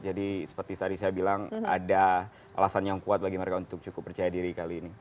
jadi seperti tadi saya bilang ada alasan yang kuat bagi mereka untuk cukup percaya diri kali ini